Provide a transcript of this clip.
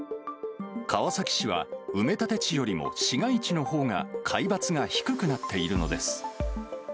川崎市は、埋め立て地よりも市街地のほうが海抜が低くなっているのです。